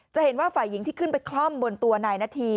เห็นว่าฝ่ายหญิงที่ขึ้นไปคล่อมบนตัวนายนาธี